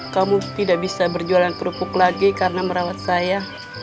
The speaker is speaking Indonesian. kamu tidak bisa berjualan kerupuk lagi karena merawat saya